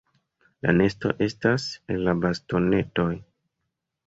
La nesto estas el bastonetoj.